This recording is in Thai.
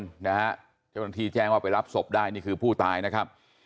เจ้าหน้าที่แจ้งว่าไปรับศพได้นี่คือผู้ตายนะครับ